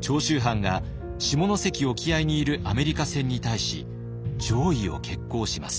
長州藩が下関沖合にいるアメリカ船に対し攘夷を決行します。